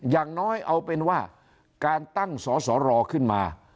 อย่างน้อยเอาเป็นว่าการตั้งสสรขึ้นมา